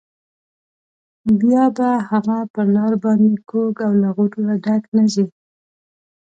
بیا به هغه پر لار باندې کوږ او له غروره ډک نه ځي.